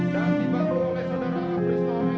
dan ditanggungkan di pada pengadilan negeri jakarta selatan